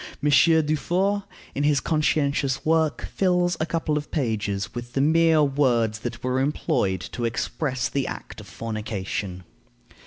Monsieur Dufour, in his conscientious work, fills a couple of pages with the mere words that were employed to express the act of fornication.